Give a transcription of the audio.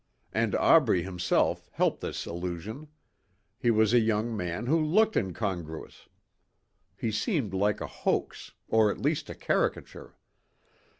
And Aubrey himself helped this illusion. He was a young man who looked incongruous. He seemed like a hoax or at least a caricature.